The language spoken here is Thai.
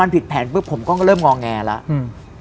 พอมันผิดแผนปุ๊บผมก็เริ่มงองแงแล้ว